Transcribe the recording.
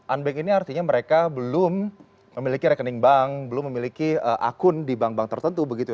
unbank ini artinya mereka belum memiliki rekening bank belum memiliki akun di bank bank tertentu begitu ya